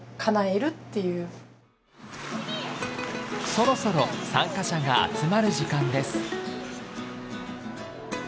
そろそろ参加者が集まる時間です。